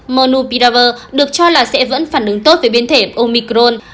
monopiravir được cho là sẽ vẫn phản ứng tốt với biến thể omicron